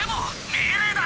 命令だ！